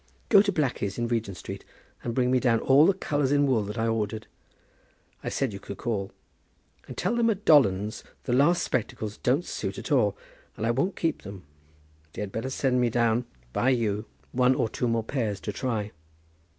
Go to Blackie's in Regent Street, and bring me down all the colours in wool that I ordered. I said you would call. And tell them at Dolland's the last spectacles don't suit at all, and I won't keep them. They had better send me down, by you, one or two more pairs to try.